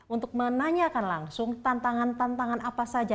untuk menanyakan langsung tantangan tantangan apa saja